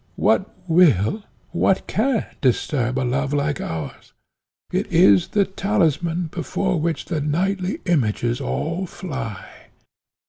What will, what can, disturb a love like ours? It is the talisman, before which the nightly images all fly."